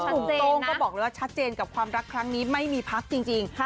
ถูกต้มก็บอกแล้วยังว่าชัดเจนกับความรักครั้งนี้ไม่มีพักจริง